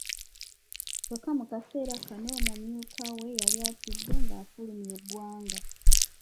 Kyokka mu kaseera kano omumyuka we yali atidde ng'afulumye eggwanga.